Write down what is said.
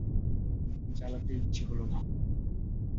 বাতি জ্বালাতে ইচ্ছে হলো না।